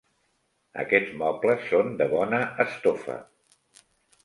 Aquests mobles són de bona estofa.